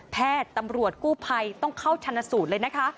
แพทย์ตำรวจกู้ภัยต้องเข้าชนสูตรเลยนะคะ